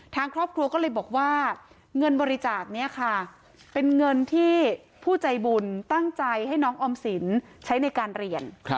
ทางครอบครัวก็เลยบอกว่าเงินบริจาคเนี่ยค่ะเป็นเงินที่ผู้ใจบุญตั้งใจให้น้องออมสินใช้ในการเรียน